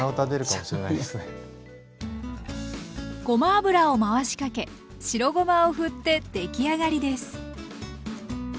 ごま油を回しかけ白ごまをふってできあがりです。